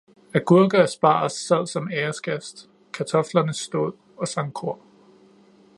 Agurk og asparges sad som æresgæst, kartoflerne stod og sang kor